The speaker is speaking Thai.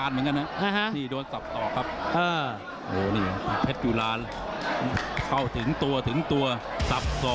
โทรแก้คันจับตัด